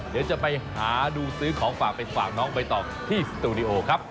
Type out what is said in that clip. เดี๋ยวจะไปหาดูซื้อของฝากไปฝากน้องใบตองที่สตูดิโอครับ